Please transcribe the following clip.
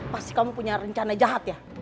pasti kamu punya rencana jahat ya